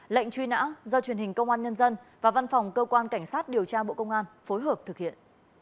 lệnh truy nã do truyền hình công an nhân dân và văn phòng cơ quan cảnh sát điều tra bộ công an phối hợp thực hiện